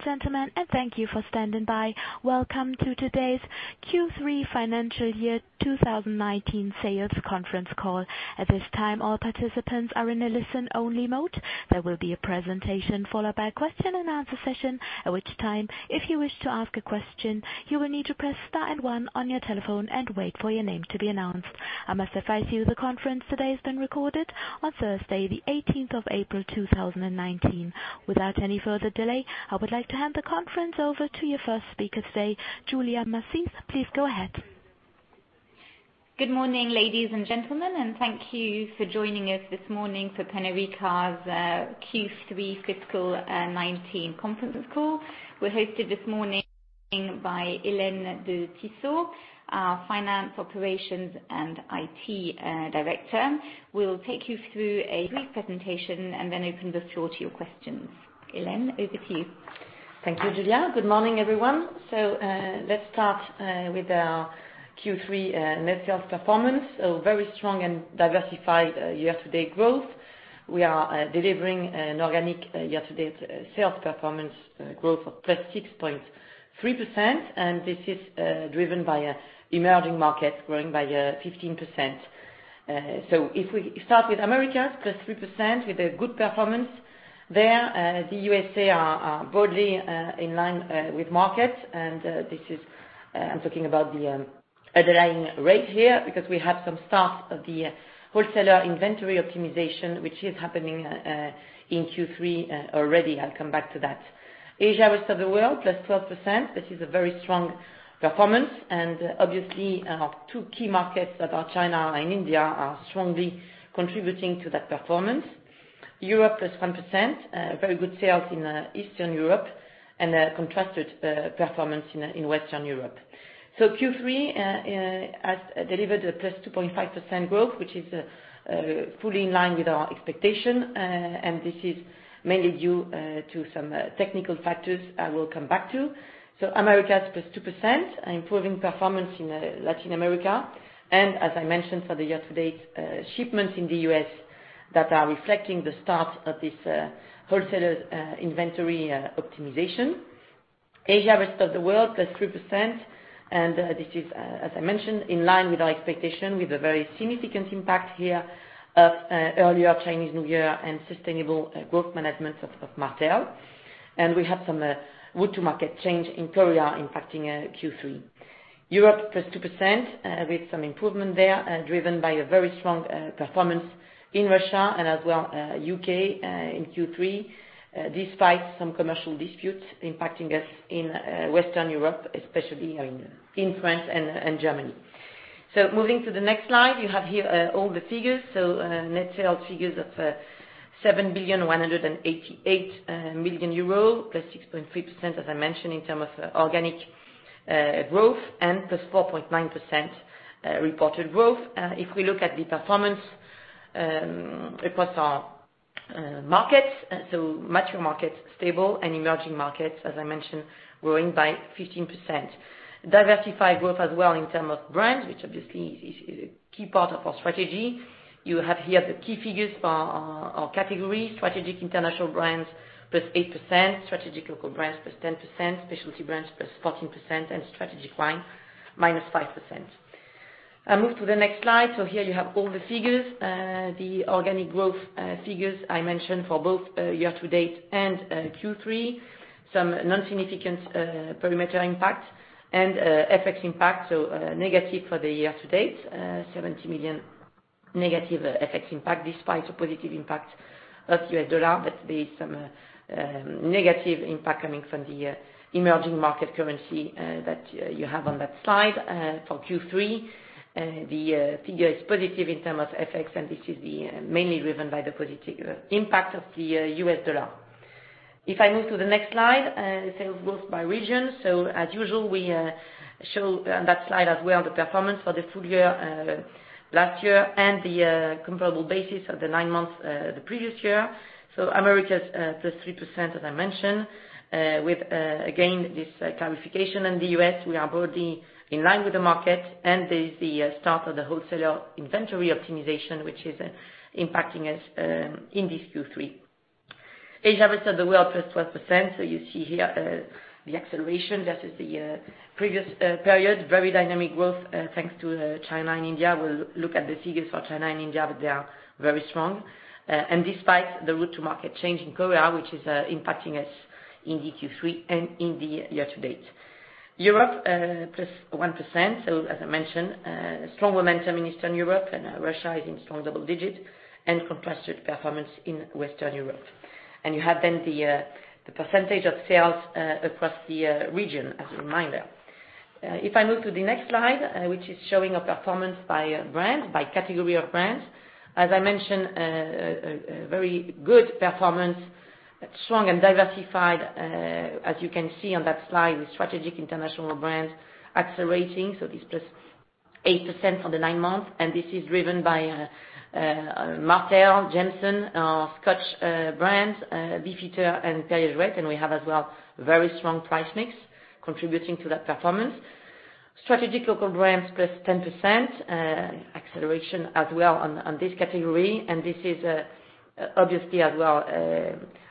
Ladies and gentlemen, thank you for standing by. Welcome to today's Q3 Fiscal Year 2019 Sales Conference Call. At this time, all participants are in a listen-only mode. There will be a presentation followed by a question-and-answer session, at which time, if you wish to ask a question, you will need to press star one on your telephone and wait for your name to be announced. I must advise you the conference today is being recorded on Thursday, April 18, 2019. Without any further delay, I would like to hand the conference over to your first speaker today, Julia Massies. Please go ahead. Good morning, ladies and gentlemen, thank you for joining us this morning for Pernod Ricard's Q3 Fiscal 2019 Conference Call. We're hosted this morning by Hélène de Tissot, our Finance, Operations and IT Director, who will take you through a brief presentation and then open the floor to your questions. Hélène, over to you. Thank you, Julia. Good morning, everyone. Let's start with our Q3 net sales performance. A very strong and diversified year-to-date growth. We are delivering an organic year-to-date sales performance growth of +6.3%, this is driven by emerging markets growing by 15%. If we start with Americas, +3% with a good performance there. The U.S.A. are broadly in line with markets, and I'm talking about the underlying rate here because we have some start of the wholesaler inventory optimization, which is happening in Q3 already. I'll come back to that. Asia, rest of the world, +12%. This is a very strong performance, obviously our two key markets that are China and India are strongly contributing to that performance. Europe, +1%. Very good sales in Eastern Europe and a contrasted performance in Western Europe. Q3 has delivered a +2.5% growth, which is fully in line with our expectation. This is mainly due to some technical factors I will come back to. Americas, +2%, improving performance in Latin America. As I mentioned for the year-to-date, shipments in the U.S. that are reflecting the start of this wholesaler inventory optimization. Asia, rest of the world, +3%. This is, as I mentioned, in line with our expectation, with a very significant impact here of earlier Chinese New Year and sustainable growth management of Martell. We had some route to market change in Korea impacting Q3. Europe, +2% with some improvement there, driven by a very strong performance in Russia and as well U.K. in Q3, despite some commercial disputes impacting us in Western Europe, especially in France and Germany. Moving to the next slide, you have here all the figures. Net sales figures of 7 billion, 188 million, +6.3%, as I mentioned, in terms of organic growth and +4.9% reported growth. If we look at the performance across our markets, mature markets stable and emerging markets, as I mentioned, growing by 15%. Diversified growth as well in terms of brands, which obviously is a key part of our strategy. You have here the key figures for our category, strategic international brands, +8%, strategic local brands, +10%, specialty brands, +14%, and strategic wine, -5%. I move to the next slide. Here you have all the figures, the organic growth figures I mentioned for both year-to-date and Q3. Some non-significant perimeter impact and FX impact, negative for the year-to-date, 70 million negative FX impact despite a positive impact of U.S. dollar. There is some negative impact coming from the emerging market currency that you have on that slide. For Q3, the figure is positive in terms of FX, and this is mainly driven by the positive impact of the U.S. dollar. If I move to the next slide, sales growth by region. As usual, we show on that slide as well the performance for the full year, last year and the comparable basis of the nine months the previous year. Americas, +3%, as I mentioned, with again, this clarification in the U.S., we are broadly in line with the market and there's the start of the wholesaler inventory optimization, which is impacting us in this Q3. Asia, rest of the world, +12%. You see here the acceleration versus the previous period, very dynamic growth thanks to China and India. We'll look at the figures for China and India, they are very strong. Despite the route to market change in Korea, which is impacting us in the Q3 and in the year-to-date. Europe, +1%. As I mentioned, strong momentum in Eastern Europe and Russia is in strong double-digit and contrasted performance in Western Europe. You have then the percentage of sales across the region as a reminder. If I move to the next slide, which is showing a performance by brand, by category of brands. As I mentioned, a very good performance, strong and diversified, as you can see on that slide with strategic international brands accelerating. This +8% for the nine months, and this is driven by Martell, Jameson, our Scotch brands, Beefeater and Perrier-Jouët. We have as well very strong price mix contributing to that performance. Strategic local brands +10% acceleration as well on this category. This is obviously as well,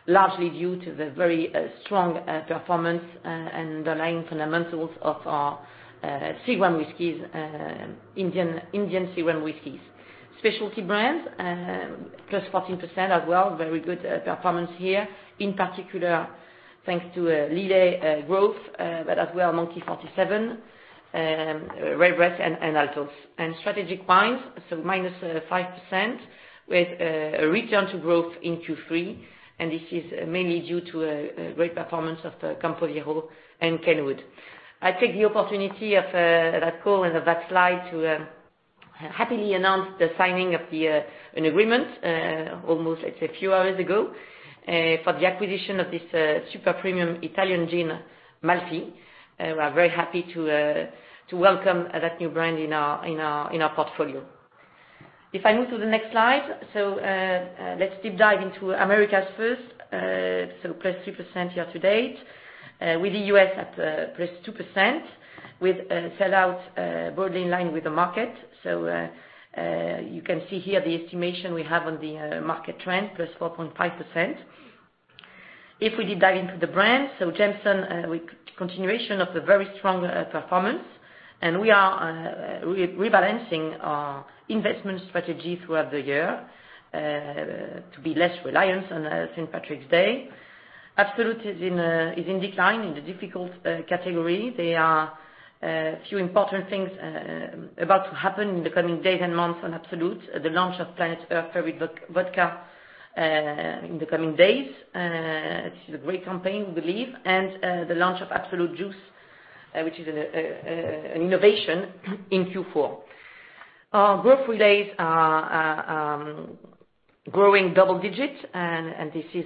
largely due to the very strong performance and underlying fundamentals of our single malt whiskies, Indian single malt whiskies. Specialty brands +14% as well. Very good performance here. In particular, thanks to Lillet growth, but as well, Monkey 47, Redbreast, and Olmeca Altos. Strategic wines, -5% with a return to growth in Q3. This is mainly due to a great performance of the Campo Viejo and Kenwood. I take the opportunity of that call and of that slide to happily announce the signing of an agreement almost, let's say, a few hours ago, for the acquisition of this super-premium Italian gin, Malfy. We are very happy to welcome that new brand in our portfolio. If I move to the next slide. Let's deep dive into Americas first. Plus 3% year to date, with the U.S. at +2% with sellouts broadly in line with the market. You can see here the estimation we have on the market trend, +4.5%. If we deep dive into the brands, Jameson, continuation of a very strong performance. We are rebalancing our investment strategy throughout the year, to be less reliant on St. Patrick's Day. Absolut is in decline in the difficult category. There are a few important things about to happen in the coming days and months on Absolut. The launch of Planet Earth's Favorite Vodka in the coming days. It is a great campaign, we believe. The launch of Absolut Juice, which is an innovation in Q4. Our growth relays are growing double digits. This is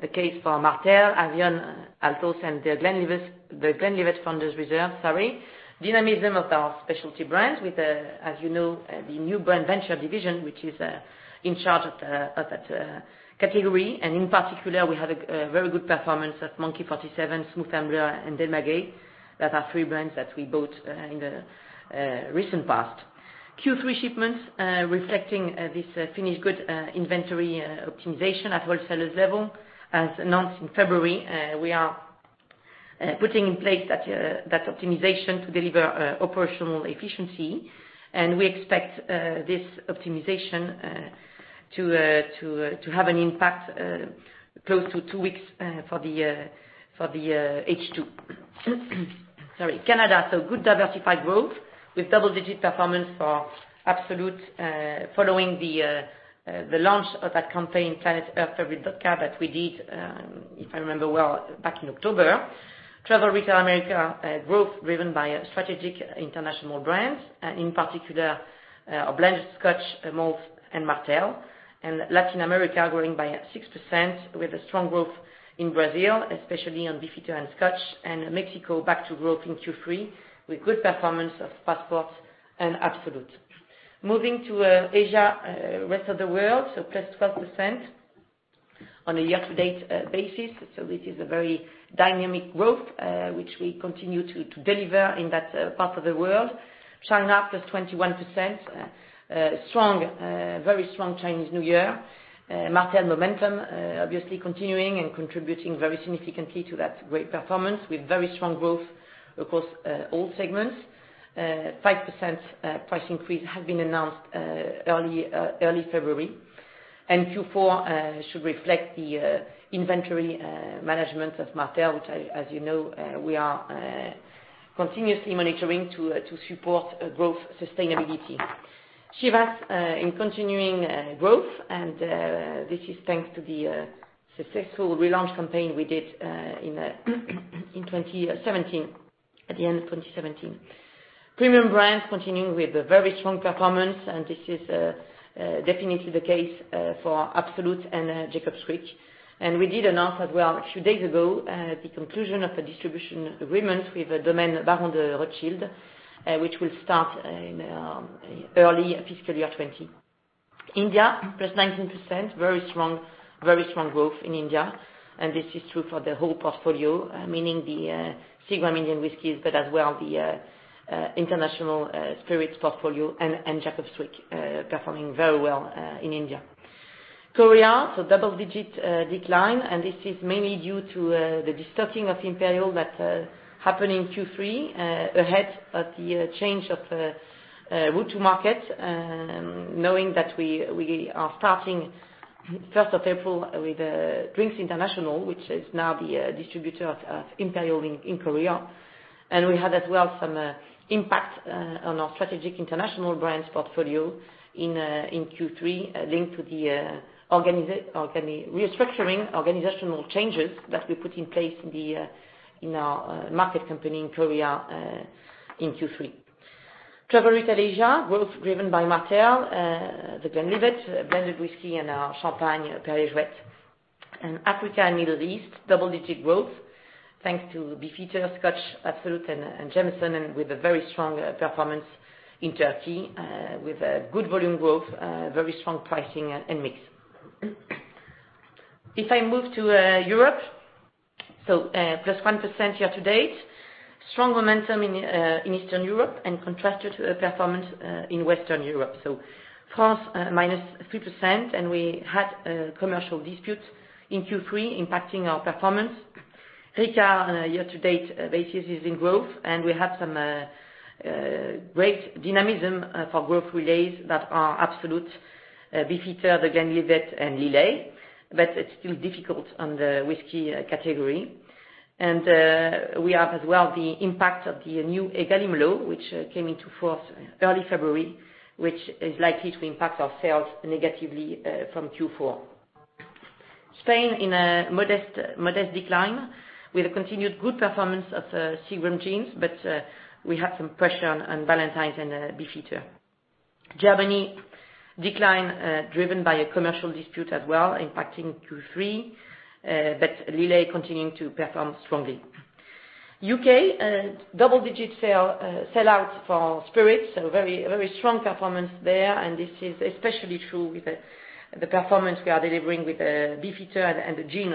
the case for Martell, Avión, Altos, and The Glenlivet Founder's Reserve. Dynamism of our specialty brands with, as you know, the new brand venture division, which is in charge of that category. In particular, we have a very good performance of Monkey 47, Smooth Ambler, and Del Maguey. That are three brands that we bought in the recent past. Q3 shipments, reflecting this finished good inventory optimization at wholesalers level. As announced in February, we are putting in place that optimization to deliver operational efficiency. We expect this optimization to have an impact close to two weeks for the H2. Sorry. Canada. Good diversified growth with double-digit performance for Absolut, following the launch of that campaign, Planet Earth favored vodka that we did, if I remember well, back in October. Travel retail America growth driven by strategic international brands, and in particular, our blended Scotch malt and Martell. Latin America growing by 6% with a strong growth in Brazil, especially on Beefeater and Scotch. Mexico back to growth in Q3 with good performance of Passport and Absolut. Moving to Asia, rest of the world, +12% on a year to date basis. This is a very dynamic growth, which we continue to deliver in that part of the world. China up +21%. Very strong Chinese New Year. Martell momentum obviously continuing and contributing very significantly to that great performance with very strong growth across all segments. 5% price increase has been announced early February. Q4 should reflect the inventory management of Martell, which as you know we are continuously monitoring to support growth sustainability. Chivas in continuing growth, this is thanks to the successful relaunch campaign we did in 2017, at the end of 2017. Premium brands continuing with a very strong performance, this is definitely the case for Absolut and Jacob's Creek. We did announce as well a few days ago, the conclusion of a distribution agreement with Domaines Barons de Rothschild, which will start in early fiscal year 2020. India, +19%. Very strong growth in India. This is true for the whole portfolio, meaning the single malt Indian whiskeys, but as well the international spirits portfolio and Jacob's Creek, performing very well in India. Korea, double-digit decline, and this is mainly due to the destocking of Imperial that happened in Q3, ahead of the change of route to market. Knowing that we are starting 1st of April with Drinks International, which is now the distributor of Imperial in Korea. We had as well some impact on our strategic international brands portfolio in Q3, linked to the restructuring organizational changes that we put in place in our market company in Korea in Q3. Travel retail Asia growth driven by Martell, The Glenlivet blended whiskey, and our champagne, Perrier-Jouët. Africa and Middle East, double-digit growth thanks to Beefeater, Scotch, Absolut, and Jameson, and with a very strong performance in Turkey, with good volume growth, very strong pricing and mix. If I move to Europe, +1% year-to-date. Strong momentum in Eastern Europe and contrasted performance in Western Europe. France, -3%, We had a commercial dispute in Q3 impacting our performance. Ricard year-to-date basis is in growth, and we have some great dynamism for growth relays that are Absolut, Beefeater, The Glenlivet, and Lillet. It's still difficult on the whiskey category. We have as well the impact of the new EGalim law, which came into force early February, which is likely to impact our sales negatively from Q4. Spain in a modest decline with a continued good performance of Seagram's gins, but we have some pressure on Ballantine's and Beefeater. Germany decline driven by a commercial dispute as well, impacting Q3, Lillet continuing to perform strongly. U.K., double-digit sellout for spirits, very strong performance there. This is especially true with the performance we are delivering with Beefeater and the gin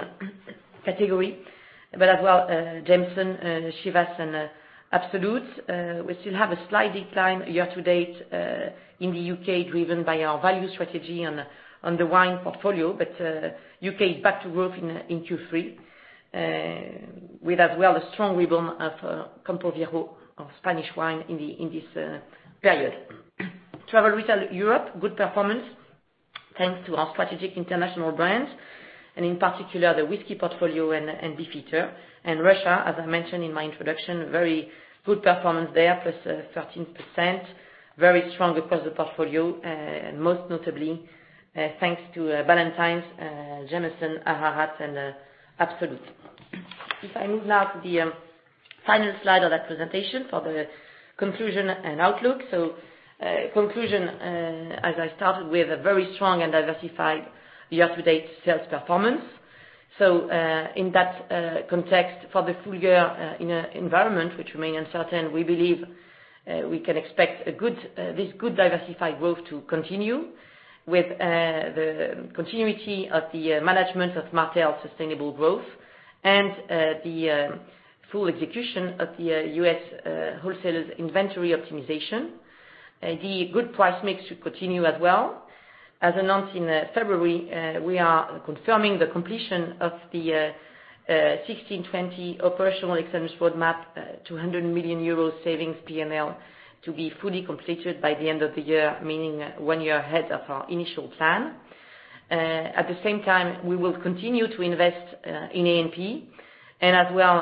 category, but as well, Jameson, Chivas, and Absolut. We still have a slight decline year-to-date in the U.K. driven by our value strategy on the wine portfolio. U.K. is back to growth in Q3, with as well a strong rebound of Campo Viejo of Spanish wine in this period. Travel retail Europe, good performance, thanks to our strategic international brands, and in particular, the whiskey portfolio and Beefeater. Russia, as I mentioned in my introduction, very good performance there, +13%, very strong across the portfolio, most notably thanks to Ballantine's, Jameson, Ararat, and Absolut. If I move now to the final slide of that presentation for the conclusion and outlook. Conclusion, as I started, we have a very strong and diversified year-to-date sales performance. In that context for the full-year environment, which remain uncertain, we believe we can expect this good diversified growth to continue with the continuity of the management of Martell sustainable growth and the full execution of the U.S. wholesalers inventory optimization. The good price mix should continue as well. As announced in February, we are confirming the completion of the 2016-2020 operational excellence roadmap, 200 million euros savings P&L to be fully completed by the end of the year, meaning one year ahead of our initial plan. At the same time, we will continue to invest in A&P and as well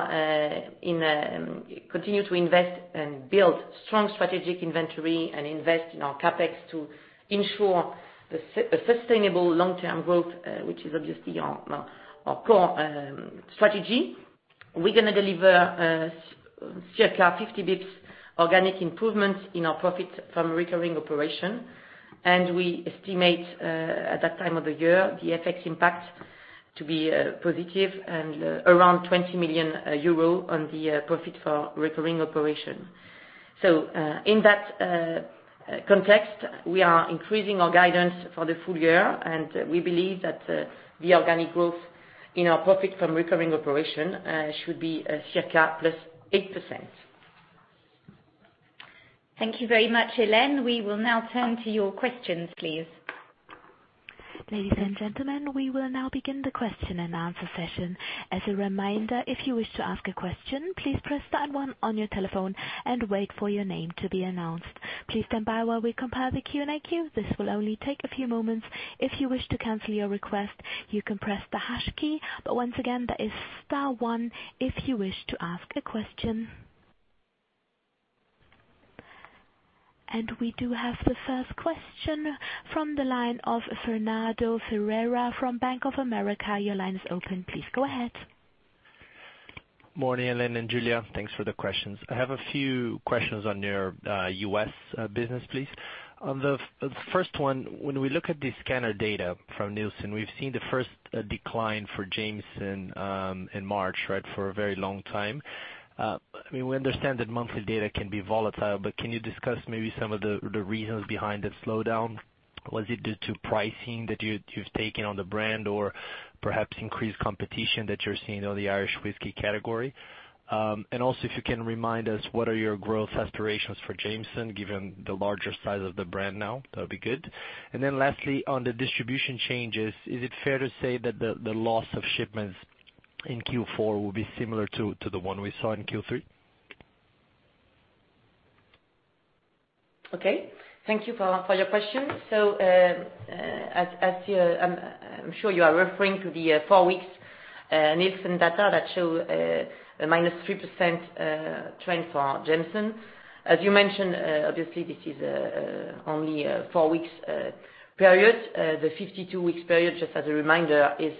continue to invest and build strong strategic inventory and invest in our CapEx to ensure a sustainable long-term growth, which is obviously our core strategy. We're going to deliver circa 50 basis points organic improvements in our profit from recurring operation. We estimate, at that time of the year, the FX impact to be positive and around 20 million euro on the profit for recurring operation. In that context, we are increasing our guidance for the full year, and we believe that the organic growth in our profit from recurring operation should be circa +8%. Thank you very much, Hélène. We will now turn to your questions, please. Ladies and gentlemen, we will now begin the question-and-answer session. As a reminder, if you wish to ask a question, please press star one on your telephone and wait for your name to be announced. Please stand by while we compile the Q&A queue. This will only take a few moments. If you wish to cancel your request, you can press the hash key, but once again, that is star one if you wish to ask a question. We do have the first question from the line of Fernando Ferreira from Bank of America. Your line is open. Please go ahead. Morning, Hélène and Julia. Thanks for the questions. I have a few questions on your U.S. business, please. The first one, when we look at the scanner data from Nielsen, we've seen the first decline for Jameson in March, for a very long time. We understand that monthly data can be volatile, but can you discuss maybe some of the reasons behind the slowdown? Was it due to pricing that you've taken on the brand or perhaps increased competition that you're seeing on the Irish whiskey category? Also, if you can remind us what are your growth aspirations for Jameson, given the larger size of the brand now? That would be good. Then lastly, on the distribution changes, is it fair to say that the loss of shipments in Q4 will be similar to the one we saw in Q3? Okay. Thank you for your question. I'm sure you are referring to the four weeks Nielsen data that show a -3% trend for Jameson. As you mentioned, obviously, this is only a four weeks period. The 52-weeks period, just as a reminder, is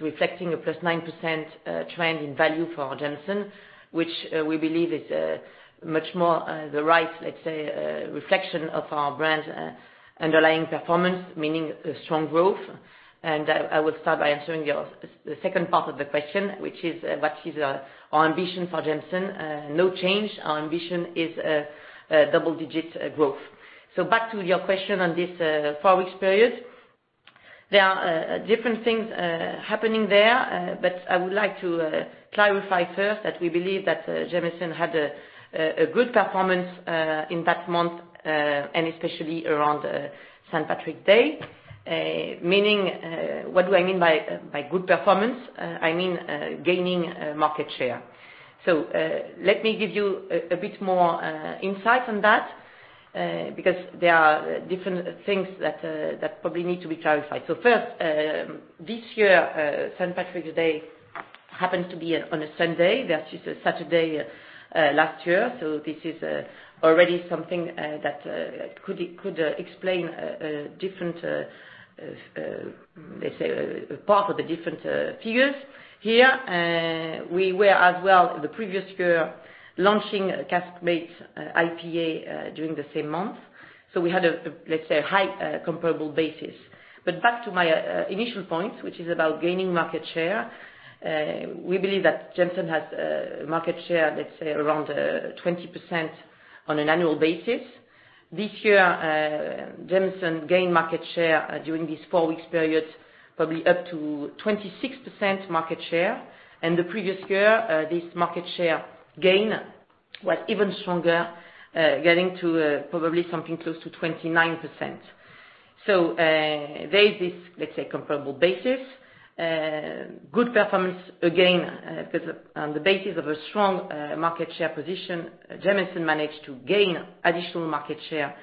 reflecting a +9% trend in value for Jameson, which we believe is much more the right, let's say, reflection of our brand underlying performance, meaning strong growth. I will start by answering the second part of the question, which is what is our ambition for Jameson? No change. Our ambition is double-digit growth. Back to your question on this four weeks period. There are different things happening there, but I would like to clarify first that we believe that Jameson had a good performance in that month, and especially around St. Patrick's Day. What do I mean by good performance? I mean gaining market share. Let me give you a bit more insight on that, because there are different things that probably need to be clarified. First, this year, St. Patrick's Day happened to be on a Sunday, that is a Saturday last year. This is already something that could explain part of the different figures here. We were as well, the previous year, launching Caskmates IPA during the same month. We had a, let's say, high comparable basis. Back to my initial point, which is about gaining market share. We believe that Jameson has a market share, let's say, around 20% on an annual basis. This year, Jameson gained market share during these four weeks period, probably up to 26% market share. The previous year, this market share gain was even stronger, getting to probably something close to 29%. There is this, let's say, comparable basis. Good performance again, because on the basis of a strong market share position, Jameson managed to gain additional market share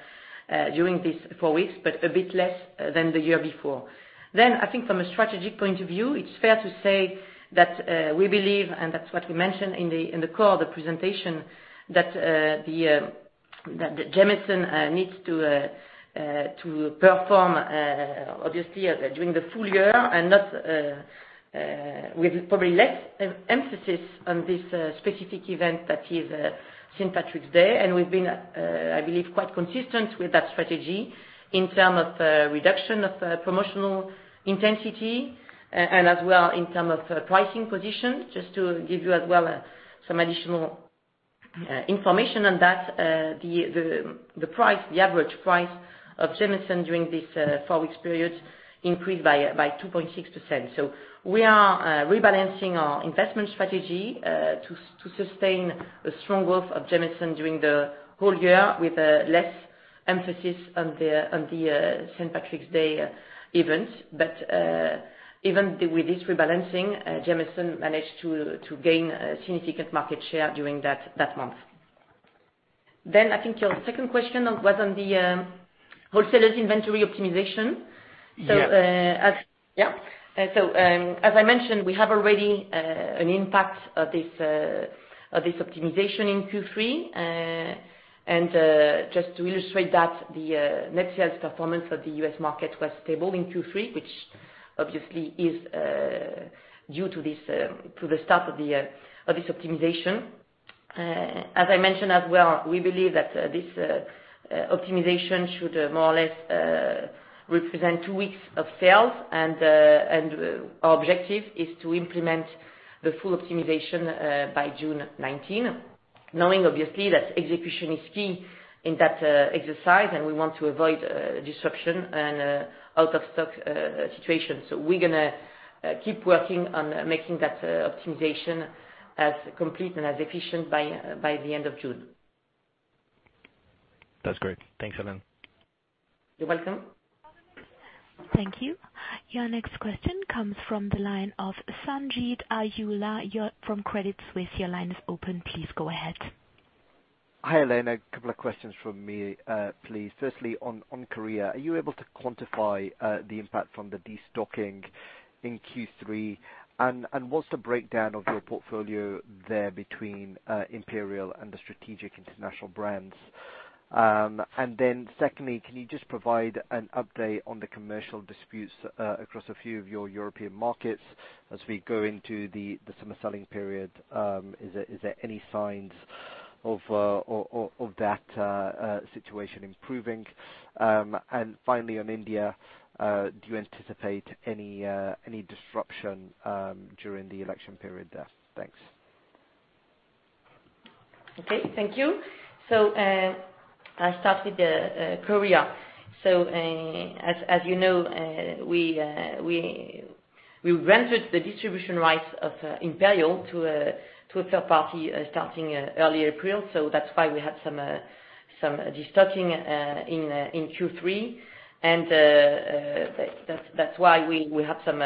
during these four weeks, but a bit less than the year before. I think from a strategic point of view, it's fair to say that we believe, and that's what we mentioned in the core of the presentation, that Jameson needs to perform, obviously, during the full year and with probably less emphasis on this specific event that is St. Patrick's Day. We've been, I believe, quite consistent with that strategy in term of reduction of promotional intensity and as well in term of pricing position. Just to give you as well some additional information on that. The average price of Jameson during this four weeks period increased by 2.6%. We are rebalancing our investment strategy to sustain the strong growth of Jameson during the whole year, with less emphasis on the St. Patrick's Day event. Even with this rebalancing, Jameson managed to gain significant market share during that month. I think your second question was on the wholesalers inventory optimization. Yeah. As I mentioned, we have already an impact of this optimization in Q3. Just to illustrate that, the net sales performance of the U.S. market was stable in Q3, which obviously is due to the start of this optimization. As I mentioned as well, we believe that this optimization should more or less represent two weeks of sales. Our objective is to implement the full optimization by June 19, knowing obviously that execution is key in that exercise, we want to avoid disruption and out-of-stock situations. We're going to keep working on making that optimization as complete and as efficient by the end of June. That's great. Thanks, Hélène. You're welcome. Thank you. Your next question comes from the line of Sanjeet Aujla from Credit Suisse. Your line is open. Please go ahead. Hi, Hélène. A couple of questions from me, please. Firstly, on Korea, are you able to quantify the impact from the de-stocking in Q3? What's the breakdown of your portfolio there between Imperial and the strategic international brands? Secondly, can you just provide an update on the commercial disputes across a few of your European markets as we go into the summer selling period? Is there any signs of that situation improving? Finally on India, do you anticipate any disruption during the election period there? Thanks. Okay. Thank you. I start with Korea. As you know, we rented the distribution rights of Imperial to a third party starting early April. That's why we had some de-stocking in Q3. That's why we have some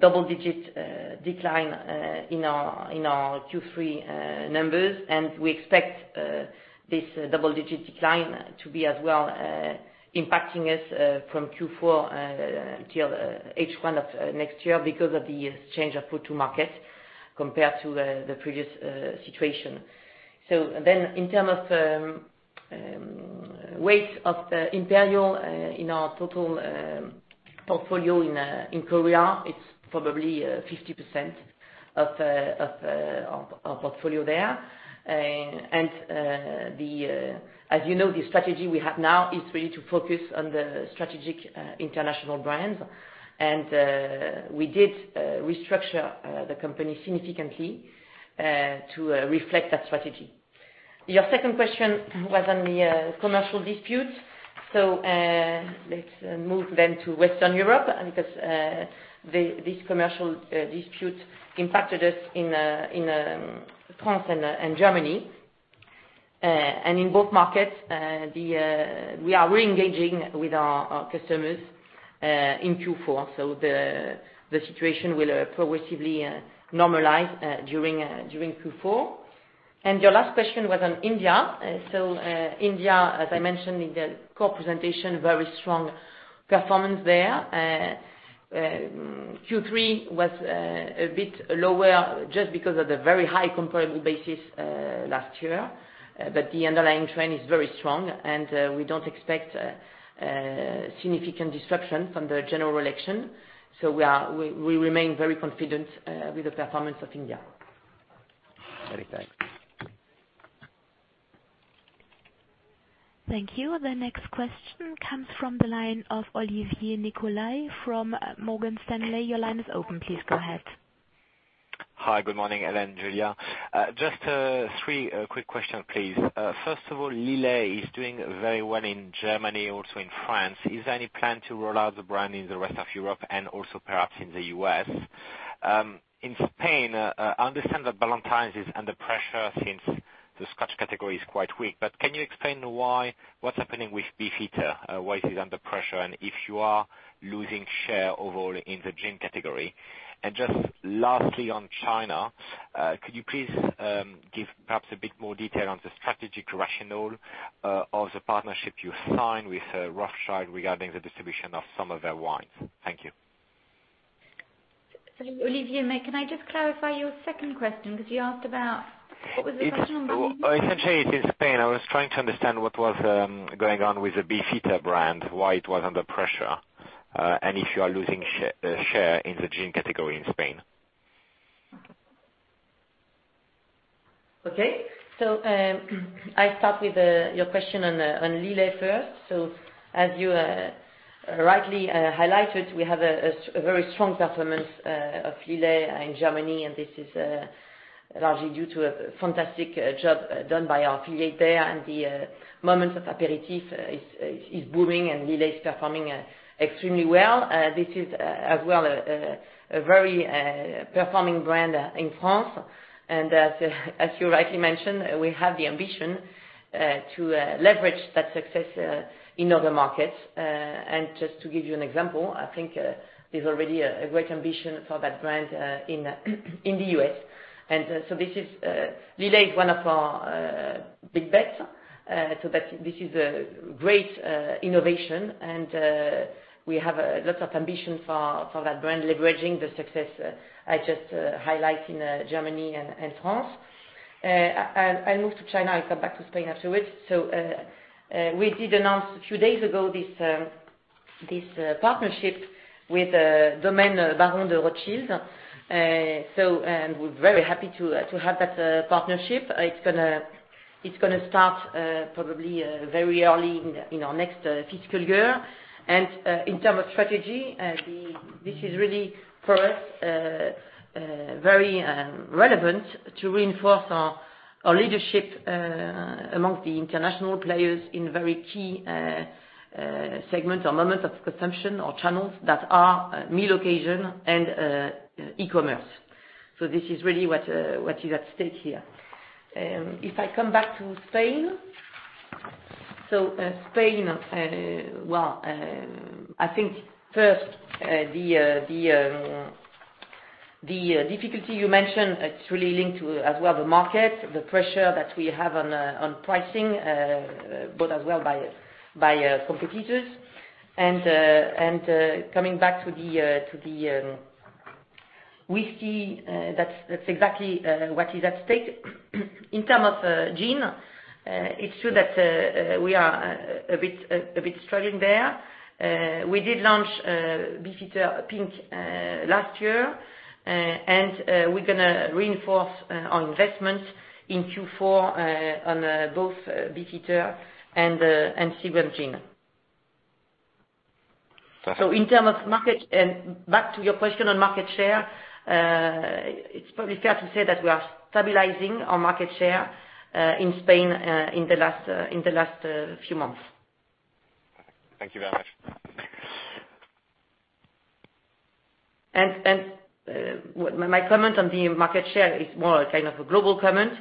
double-digit decline in our Q3 numbers. We expect this double-digit decline to be as well impacting us from Q4 until H1 of next year because of the change of go-to market compared to the previous situation. In term of weight of Imperial in our total portfolio in Korea, it's probably 50% of our portfolio there. As you know, the strategy we have now is really to focus on the strategic international brands. We did restructure the company significantly to reflect that strategy. Your second question was on the commercial dispute. Let's move then to Western Europe, because this commercial dispute impacted us in France and Germany. In both markets, we are re-engaging with our customers in Q4, the situation will progressively normalize during Q4. Your last question was on India. India, as I mentioned in the core presentation, very strong performance there. Q3 was a bit lower just because of the very high comparable basis last year. The underlying trend is very strong and we don't expect a significant disruption from the general election. We remain very confident with the performance of India. Very thanks. Thank you. The next question comes from the line of Olivier Nicolai from Morgan Stanley. Your line is open. Please go ahead. Hi. Good morning, Hélène, Julia. Just three quick questions, please. First of all, Lillet is doing very well in Germany, also in France. Is there any plan to roll out the brand in the rest of Europe and also perhaps in the U.S.? In Spain, I understand that Ballantine's is under pressure since the Scotch category is quite weak. Can you explain why, what's happening with Beefeater, why it is under pressure, and if you are losing share overall in the gin category? Just lastly, on China, could you please give perhaps a bit more detail on the strategic rationale of the partnership you signed with Rothschild regarding the distribution of some of their wines? Thank you. Olivier, can I just clarify your second question, because you asked about What was the question on Spain? Essentially, it's Spain. I was trying to understand what was going on with the Beefeater brand, why it was under pressure, and if you are losing share in the gin category in Spain. Okay. I start with your question on Lillet first. As you rightly highlighted, we have a very strong performance of Lillet in Germany, and this is largely due to a fantastic job done by our affiliate there. The moments of aperitif is booming and Lillet is performing extremely well. This is as well a very performing brand in France. As you rightly mentioned, we have the ambition to leverage that success in other markets. Just to give you an example, I think there's already a great ambition for that brand in the U.S. Lillet is one of our big bets. That this is a great innovation and we have lots of ambition for that brand, leveraging the success I just highlight in Germany and France. I'll move to China. I'll come back to Spain afterwards. We did announce a few days ago, this partnership with Domaines Barons de Rothschild. We're very happy to have that partnership. It's going to start probably very early in our next fiscal year. In term of strategy, this is really, for us, very relevant to reinforce our leadership amongst the international players in very key segments or moments of consumption or channels that are meal occasion and e-commerce. This is really what is at stake here. If I come back to Spain. Spain, well, I think first, the difficulty you mentioned, it's really linked to as well, the market, the pressure that we have on pricing, but as well by competitors. Coming back to the whiskey, that's exactly what is at stake. In term of gin, it's true that we are a bit struggling there. We did launch Beefeater Pink last year, and we're going to reinforce our investments in Q4 on both Beefeater and Seagram's gin. Perfect. In term of market, and back to your question on market share, it's probably fair to say that we are stabilizing our market share in Spain in the last few months. Thank you very much. My comment on the market share is more a kind of a global comment.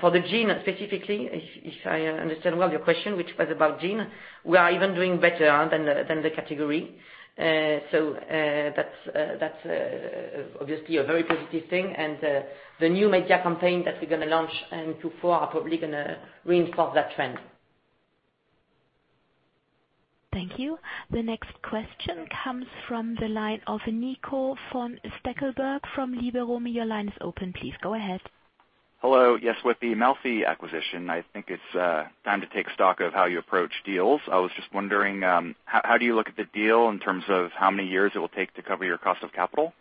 For the gin specifically, if I understand well your question, which was about gin, we are even doing better than the category. That's obviously a very positive thing. The new media campaign that we're going to launch in Q4 are probably going to reinforce that trend. Thank you. The next question comes from the line of Nico von Stackelberg from Liberum. Your line is open. Please go ahead. Hello. Yes, with the Malfy acquisition, I think it's time to take stock of how you approach deals. I was just wondering, how do you look at the deal in terms of how many years it will take to cover your cost of capital?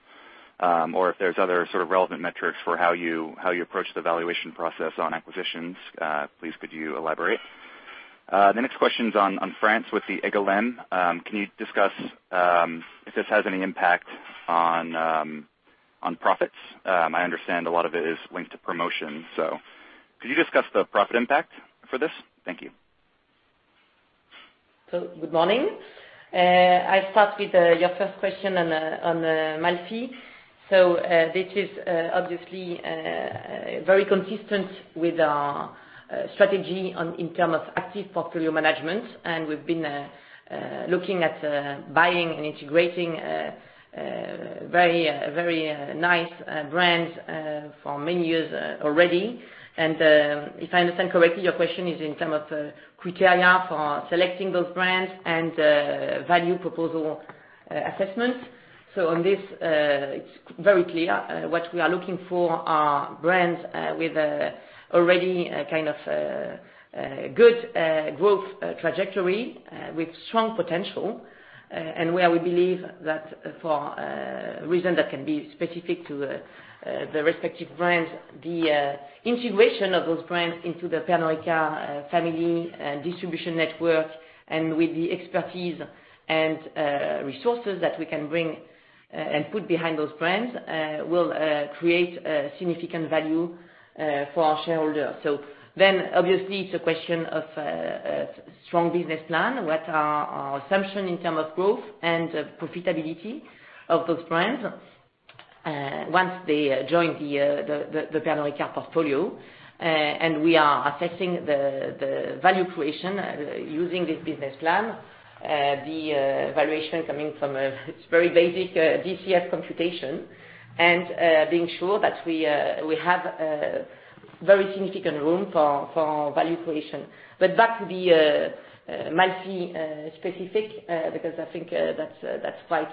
If there's other sort of relevant metrics for how you approach the valuation process on acquisitions. Please could you elaborate? The next question is on France with the EGalim. Can you discuss if this has any impact on profits? I understand a lot of it is linked to promotions. Could you discuss the profit impact for this? Thank you. Good morning. I start with your first question on Malfy. This is obviously very consistent with our strategy in terms of active portfolio management. We've been looking at buying and integrating very nice brands for many years already. If I understand correctly, your question is in term of criteria for selecting those brands and value proposal assessment. On this, it's very clear what we are looking for are brands with already a kind of good growth trajectory with strong potential. Where we believe that for a reason that can be specific to the respective brands, the integration of those brands into the Pernod Ricard family and distribution network and with the expertise and resources that we can bring and put behind those brands, will create a significant value for our shareholders. Obviously it's a question of a strong business plan. What are our assumption in term of growth and profitability of those brands once they join the Pernod Ricard portfolio. We are assessing the value creation using this business plan. The valuation coming from a very basic DCF computation, and being sure that we have a very significant room for value creation. That could be Malfy specific, because I think that's quite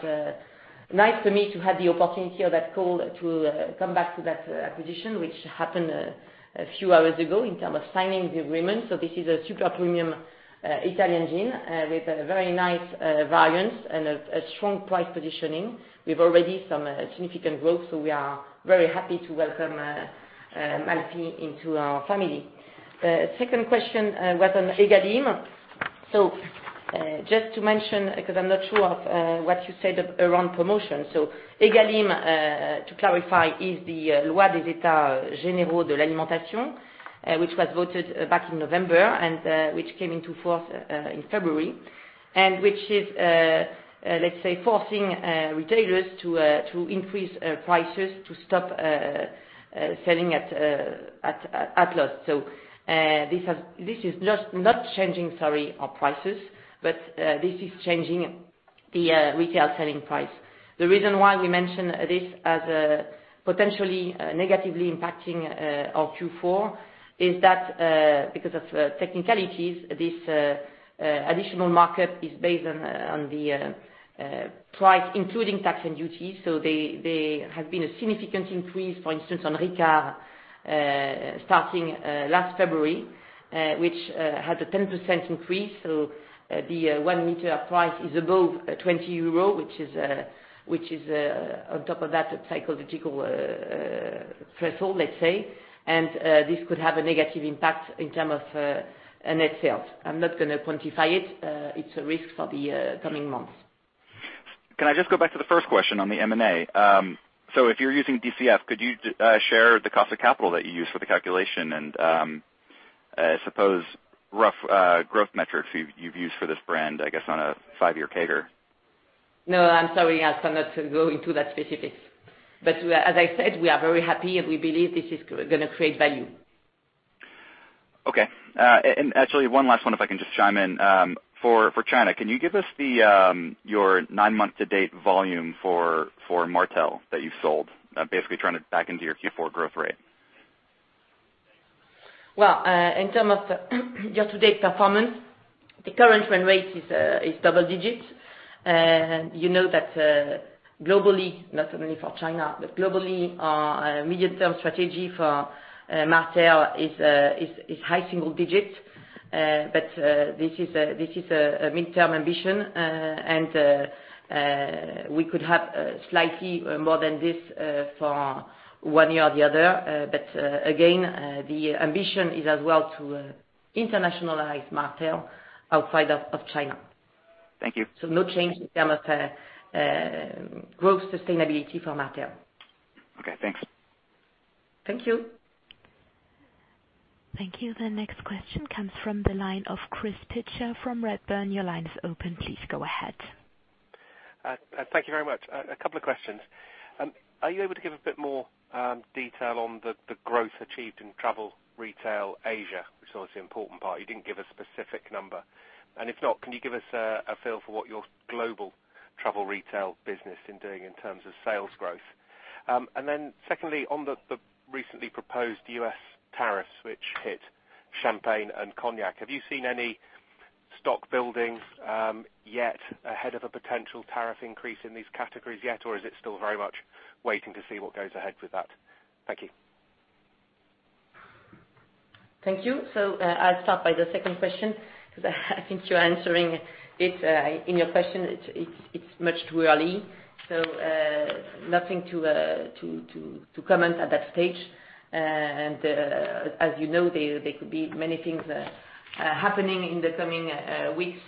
nice for me to have the opportunity on that call to come back to that acquisition, which happened a few hours ago in term of signing the agreement. This is a super premium Italian gin, with a very nice variance and a strong price positioning. We've already some significant growth, we are very happy to welcome Malfy into our family. The second question was on EGalim. Just to mention, because I'm not sure of what you said around promotion. EGalim, to clarify, is the Loi d' orientation des politiques publiques d' alimentation, which was voted back in November, and which came into force in February. Which is, let's say, forcing retailers to increase prices to stop selling at loss. This is not changing, sorry, our prices, but this is changing the retail selling price. The reason why we mention this as a potentially negatively impacting our Q4 is that, because of technicalities, this additional market is based on the price including tax and duties. There has been a significant increase, for instance, on Ricard starting last February, which had a 10% increase. The 1-liter price is above 20 euro, which is, on top of that, a psychological threshold, let's say. This could have a negative impact in term of net sales. I'm not going to quantify it. It's a risk for the coming months. Can I just go back to the first question on the M&A? If you're using DCF, could you share the cost of capital that you used for the calculation and suppose rough growth metrics you've used for this brand, I guess, on a 5-year CAGR? I'm sorry. I cannot go into that specifics. As I said, we are very happy and we believe this is going to create value. Okay. Actually one last one, if I can just chime in. For China, can you give us your nine-month to date volume for Martell that you've sold? Basically trying to back into your Q4 growth rate. Well, in terms of year to date performance, the current run rate is double digits. You know that globally, not only for China, but globally, our medium-term strategy for Martell is high single digits. This is a midterm ambition. We could have slightly more than this for one year or the other. Again, the ambition is as well to internationalize Martell outside of China. Thank you. no change in term of growth sustainability for Martell. Okay, thanks. Thank you. Thank you. The next question comes from the line of Chris Pitcher from Redburn. Your line is open. Please go ahead. Thank you very much. A couple of questions. Are you able to give a bit more detail on the growth achieved in travel retail Asia, which is obviously an important part? You didn't give a specific number. If not, can you give us a feel for what your global travel retail business is doing in terms of sales growth? Secondly, on the recently proposed U.S. tariffs, which hit champagne and cognac, have you seen any stock buildings yet ahead of a potential tariff increase in these categories yet, or is it still very much waiting to see what goes ahead with that? Thank you. Thank you. I'll start by the second question, because I think you're answering it in your question. It's much too early. Nothing to comment at that stage. As you know, there could be many things happening in the coming weeks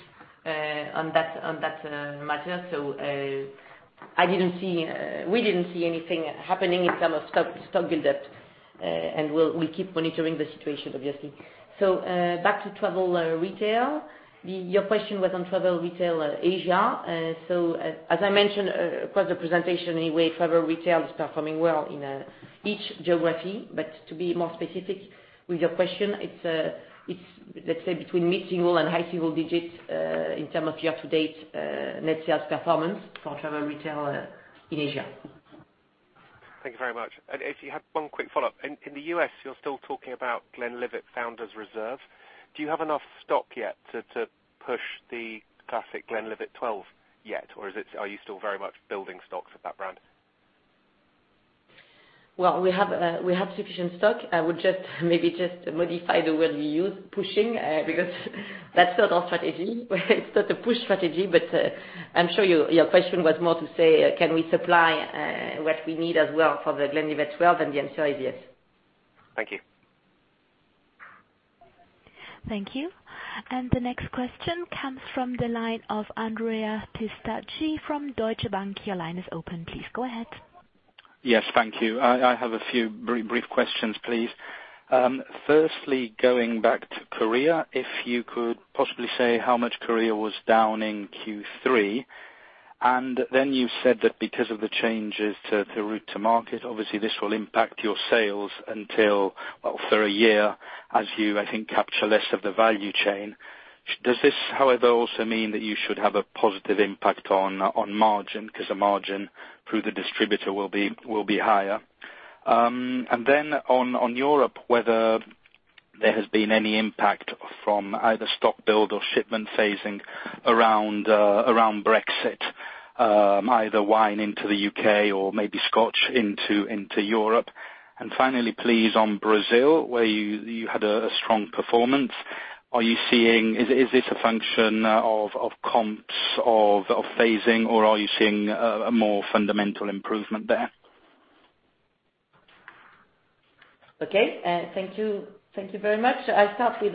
on that matter. We didn't see anything happening in terms of stock buildup, we'll keep monitoring the situation, obviously. Back to travel retail. Your question was on travel retail Asia. As I mentioned across the presentation anyway, travel retail is performing well in each geography. To be more specific with your question, it's let's say between mid-single and high single digits in terms of year-to-date net sales performance for travel retail in Asia. Thank you very much. If you have one quick follow-up. In the U.S., you're still talking about Glenlivet Founder's Reserve. Do you have enough stock yet to push the classic Glenlivet 12 yet? Or are you still very much building stocks for that brand? We have sufficient stock. I would maybe just modify the word you used, pushing, because that's not our strategy. It's not a push strategy, but I'm sure your question was more to say, can we supply what we need as well for the Glenlivet 12? The answer is yes. Thank you. Thank you. The next question comes from the line of Andrea Pistacchi from Deutsche Bank. Your line is open. Please go ahead. Yes. Thank you. I have a few very brief questions, please. Firstly, going back to Korea, if you could possibly say how much Korea was down in Q3. You said that because of the changes to route to market, obviously this will impact your sales until, well, for a year as you, I think, capture less of the value chain. Does this, however, also mean that you should have a positive impact on margin because the margin through the distributor will be higher? On Europe, whether there has been any impact from either stock build or shipment phasing around Brexit, either wine into the U.K. or maybe Scotch into Europe. Finally, please, on Brazil, where you had a strong performance. Is this a function of comps, of phasing, or are you seeing a more fundamental improvement there? Okay. Thank you very much. I'll start with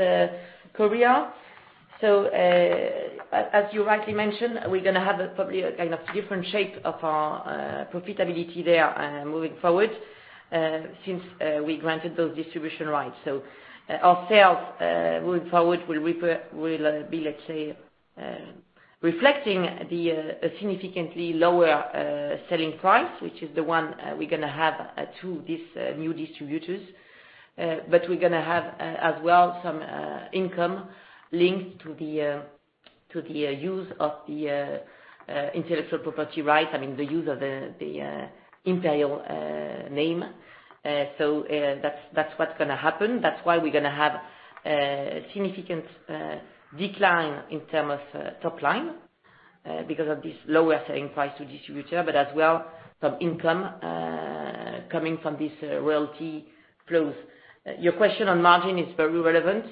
Korea. As you rightly mentioned, we're going to have probably a kind of different shape of our profitability there moving forward since we granted those distribution rights. Our sales moving forward will be, let's say, reflecting the significantly lower selling price, which is the one we're going to have to these new distributors. We're going to have as well some income linked to the use of the intellectual property rights, the use of the Imperial name. That's what's going to happen. That's why we're going to have a significant decline in terms of top line, because of this lower selling price to distributor, but as well, some income coming from these royalty flows. Your question on margin is very relevant.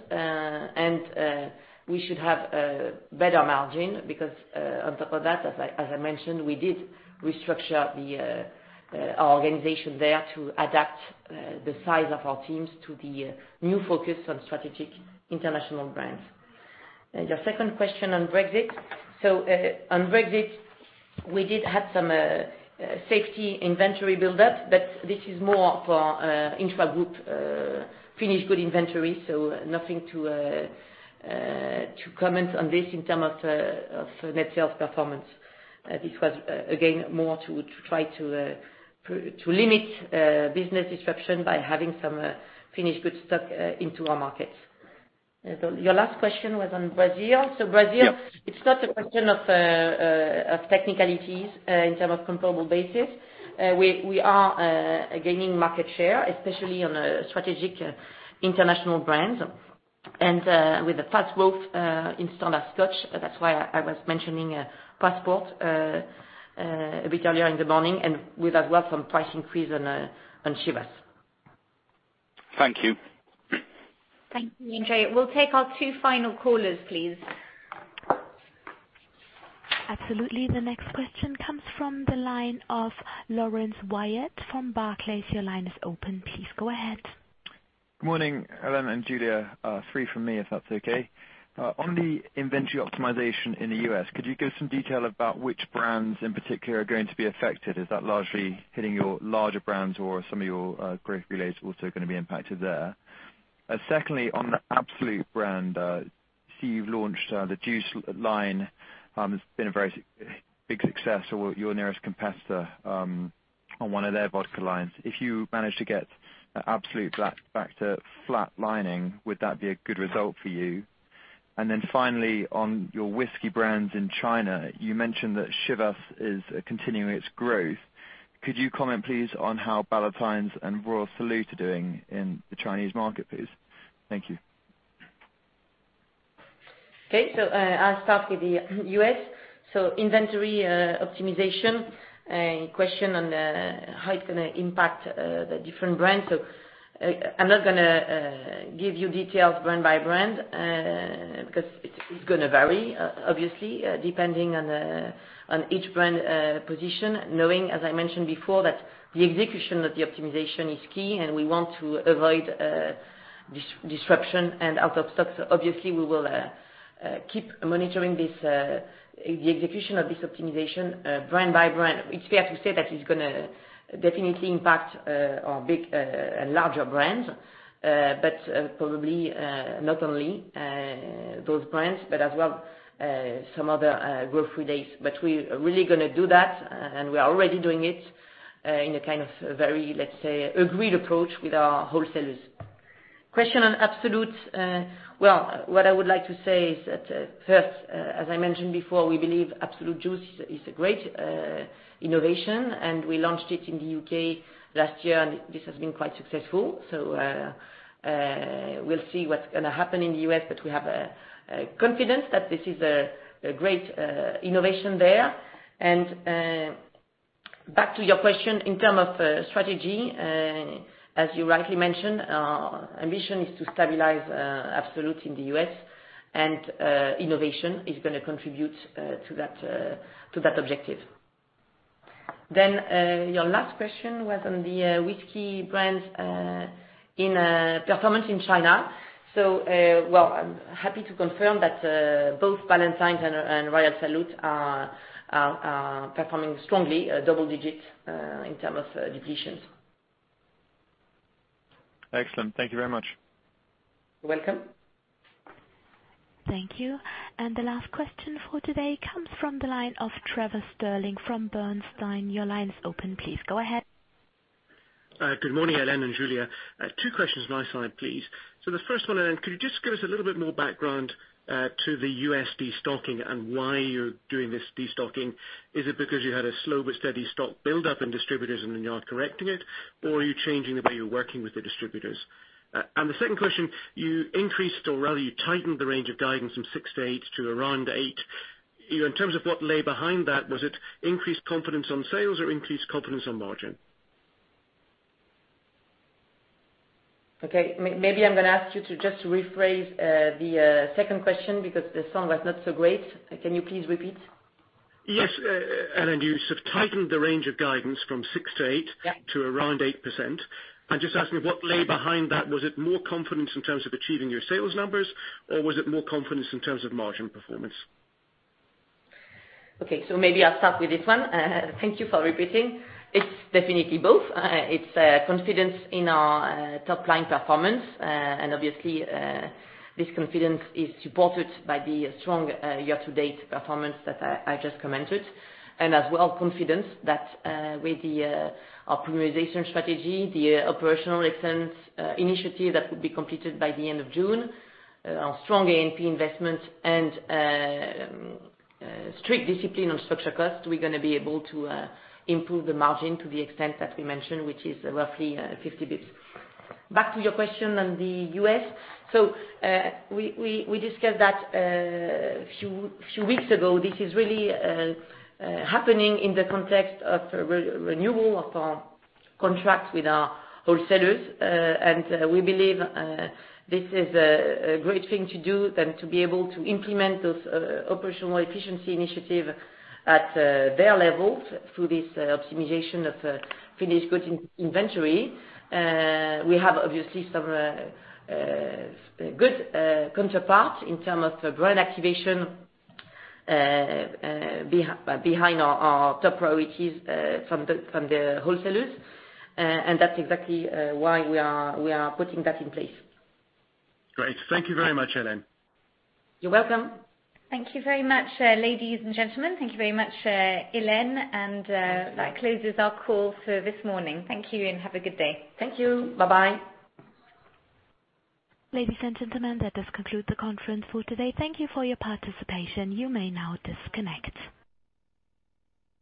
We should have a better margin because on top of that, as I mentioned, we did restructure our organization there to adapt the size of our teams to the new focus on strategic international brands. Your second question on Brexit. On Brexit, we did have some safety inventory buildup, but this is more for intra-group finished good inventory. Nothing to comment on this in terms of net sales performance. This was, again, more to try to limit business disruption by having some finished good stock into our markets. Your last question was on Brazil. Brazil Yep It's not a question of technicalities in terms of comparable basis. We are gaining market share, especially on strategic international brands and with a fast growth in standard Scotch. That's why I was mentioning Passport a bit earlier in the morning and with as well some price increase on Chivas. Thank you. Thank you, Andrea. We'll take our two final callers, please. Absolutely. The next question comes from the line of Laurence Whyatt from Barclays. Your line is open. Please go ahead. Good morning, Hélène and Julia. Three from me, if that's okay. On the inventory optimization in the U.S., could you give some detail about which brands in particular are going to be affected? Is that largely hitting your larger brands or some of your growth relays also going to be impacted there? Secondly, on the Absolut brand, I see you've launched the Absolut Juice line. It's been a very big success for your nearest competitor on one of their vodka lines. If you manage to get Absolut back to flatlining, would that be a good result for you? Finally, on your whiskey brands in China, you mentioned that Chivas is continuing its growth. Could you comment, please, on how Ballantine's and Royal Salute are doing in the Chinese market, please? Thank you. I'll start with the U.S. Inventory optimization question on how it's going to impact the different brands. I'm not going to give you details brand by brand, because it's going to vary, obviously, depending on each brand position, knowing, as I mentioned before, that the execution of the optimization is key, and we want to avoid disruption and out of stock. Obviously we will keep monitoring the execution of this optimization brand by brand. It's fair to say that it's going to definitely impact our larger brands. Probably not only those brands, but as well some other growth relays. We are really going to do that, and we are already doing it in a very, let's say, agreed approach with our wholesalers. Question on Absolut. What I would like to say is that first, as I mentioned before, we believe Absolut Juice is a great innovation, and we launched it in the U.K. last year, and this has been quite successful. We'll see what's going to happen in the U.S., but we have confidence that this is a great innovation there. Back to your question, in term of strategy, as you rightly mentioned, our ambition is to stabilize Absolut in the U.S., and innovation is going to contribute to that objective. Your last question was on the whiskey brands performance in China. I'm happy to confirm that both Ballantine's and Royal Salute are performing strongly double digits in term of editions. Excellent. Thank you very much. You're welcome. Thank you. The last question for today comes from the line of Trevor Stirling from Bernstein. Your line is open. Please go ahead. Good morning, Hélène and Julia. Two questions my side, please. The first one, Hélène, could you just give us a little bit more background to the U.S. de-stocking and why you're doing this de-stocking? Is it because you had a slow but steady stock buildup in distributors and then you are correcting it, or are you changing the way you're working with the distributors? The second question, you increased, or rather you tightened the range of guidance from 6-8 to around 8. In terms of what lay behind that, was it increased confidence on sales or increased confidence on margin? Okay. Maybe I'm going to ask you to just rephrase the second question because the sound was not so great. Can you please repeat? Yes. Hélène, you tightened the range of guidance from six to eight Yeah to around 8%. I'm just asking what lay behind that. Was it more confidence in terms of achieving your sales numbers, or was it more confidence in terms of margin performance? Maybe I'll start with this one. Thank you for repeating. It's definitely both. It's confidence in our top-line performance. Obviously, this confidence is supported by the strong year-to-date performance that I just commented. As well, confidence that with the optimization strategy, the operational excellence initiative that would be completed by the end of June, our strong A&P investment, and strict discipline on structural costs, we're going to be able to improve the margin to the extent that we mentioned, which is roughly 50 basis points. Back to your question on the U.S. We discussed that a few weeks ago. This is really happening in the context of a renewal of our contracts with our wholesalers. We believe this is a great thing to do than to be able to implement those operational efficiency initiative at their level through this optimization of finished goods inventory. We have obviously some good counterparts in terms of brand activation behind our top priorities from the wholesalers. That's exactly why we are putting that in place. Great. Thank you very much, Hélène. You're welcome. Thank you very much, ladies and gentlemen. Thank you very much, Hélène. That closes our call for this morning. Thank you and have a good day. Thank you. Bye-bye. Ladies and gentlemen, that does conclude the conference for today. Thank you for your participation. You may now disconnect.